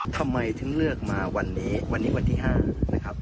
ทำไมถึงเลือกมาวันนี้วันนี้วันที่๕นะครับ